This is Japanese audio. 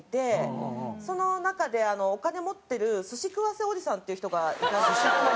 その中でお金持ってる寿司食わせおじさんっていう人がいたんですけど。